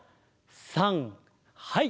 さんはい！